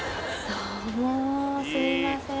どうもすいません